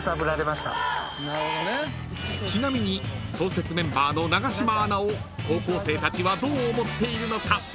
［ちなみに創設メンバーの永島アナを高校生たちはどう思っているのか？］